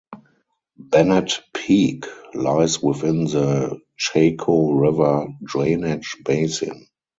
Bennett Peak lies within the Chaco River drainage basin.